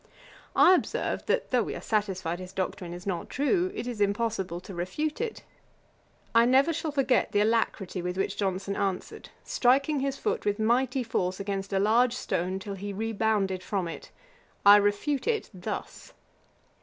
I observed, that though we are satisfied his doctrine is not true, it is impossible to refute it. I never shall forget the alacrity with which Johnson answered, striking his foot with mighty force against a large stone, till he rebounded from it, 'I refute it thus.'